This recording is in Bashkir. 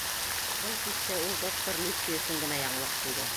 Был кисте ул доктор Ливси өсөн генә яңылыҡ булды.